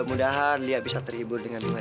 maka umurassist sudah konsepnyaanovamu